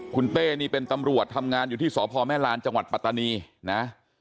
คุณเต้นี่เป็นตำรวจทำงานอยู่ที่สพแม่ลานจังหวัดปัตตานีนะ